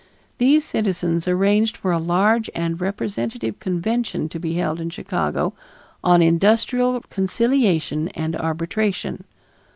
These citizens arranged for a large and representative convention to be held in Chicago on Industrial Conciliation and Arbitration.